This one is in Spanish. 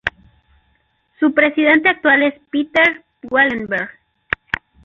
Su presidente actual es Peter Wallenberg.